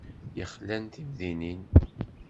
Yexlan timdinin.